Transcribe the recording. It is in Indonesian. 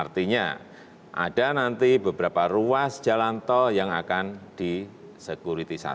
artinya ada nanti beberapa ruas jalan tol yang akan disekuritisasi